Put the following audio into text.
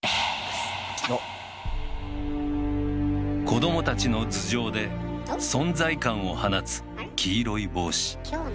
子どもたちの頭上で存在感を放つ黄色い帽子。